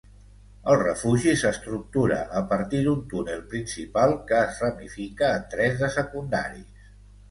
El refugi s'estructura a partir d'un túnel principal que es ramifica en tres de secundaris.